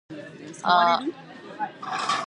He also became a schoolteacher.